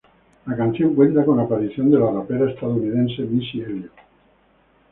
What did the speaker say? La canción cuenta con la aparición de la rapera estadounidense Missy Elliott.